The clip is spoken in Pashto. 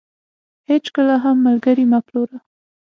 هيچ کله هم ملګري مه پلوره .